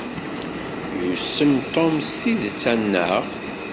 Yussem Tom s tidet, anaɣ?